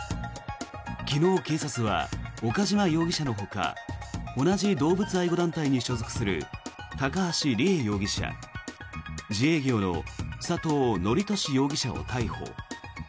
昨日、警察は岡島容疑者のほか同じ動物愛護団体に所属する高橋里衣容疑者自営業の佐藤徳壽容疑者を逮捕。